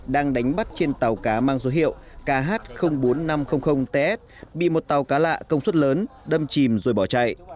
đang đánh bắt trên tàu cá mang số hiệu kh bốn nghìn năm trăm linh ts bị một tàu cá lạ công suất lớn đâm chìm rồi bỏ chạy